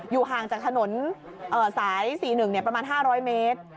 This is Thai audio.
ห่างจากถนนสาย๔๑ประมาณ๕๐๐เมตร